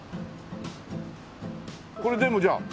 これ全部じゃあ。